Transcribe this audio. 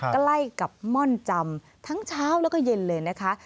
ใกล้กับม่อนจำทั้งเช้าแล้วก็เย็นเลยนะคะ